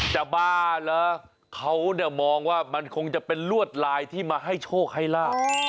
บ้าเหรอเขาเนี่ยมองว่ามันคงจะเป็นลวดลายที่มาให้โชคให้ลาบ